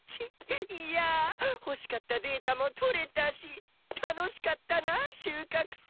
いや欲しかったデータもとれたし楽しかったな収穫祭！